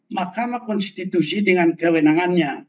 mahkamah konstitusi dengan kewenangannya